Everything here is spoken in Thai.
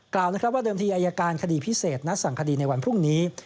กล่าวนะครับว่าเดิมทีอายการคดีพิเศษนัดสั่งคดีในวันพรุ่งนี้